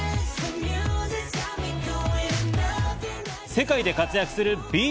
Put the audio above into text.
世界で活躍するＢＴＳ。